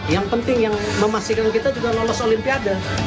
yang penting yang memastikan kita juga lolos olimpiade